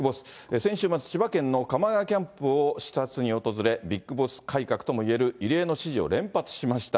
先週末、千葉県の鎌ヶ谷キャンプを視察に訪れ、ビッグボス改革ともいえる異例の指示を連発しました。